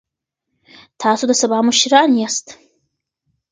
تاسو د سبا مشران یاست.